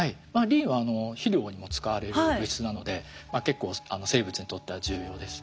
リンは肥料にも使われる物質なので結構生物にとっては重要です。